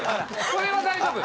それは大丈夫。